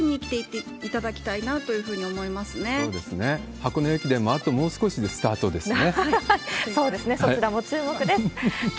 箱根駅伝もあともう少しでスタートですね。